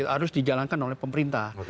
harus dijalankan oleh pemerintah